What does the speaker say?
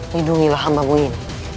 lindungilah hambamu ini